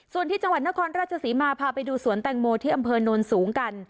ส่วนที่จังหวัดนครราชศรีมาพาไปดูสวนแตงโมที่อำเภอโนนสูงกัน